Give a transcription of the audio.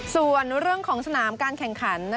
ส่วนเรื่องของสนามการแข่งขัน